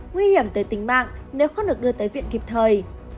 nguy hiểm tới tính mạng nếu không được đưa tới viện kịp thời